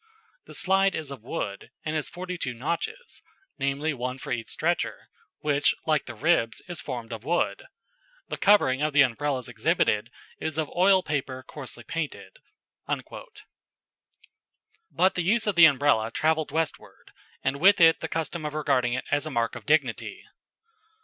The slide is of wood, and has forty two notches, namely, one for each stretcher, which like the ribs, is formed of wood. The covering of the Umbrellas exhibited is of oiled paper coarsely painted." But the use of the Umbrella travelled westward, and with it the custom of regarding it as a mark of dignity.